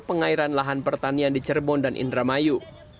pembangunan air dan lahan pertanian di cirebon dan indramayu